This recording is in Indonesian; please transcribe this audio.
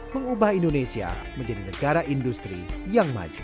mengubah indonesia menjadi negara industri yang maju